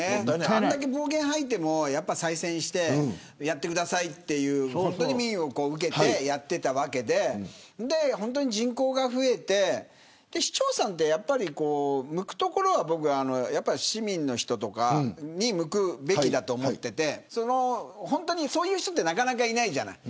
あれだけ暴言を吐いても再選してやってくださいという民意を受けてやっていたわけで本当に人口が増えて市長さんってやっぱり、向くところは市民の人とかに向くべきだと思っててそういう人ってなかなかいないじゃない。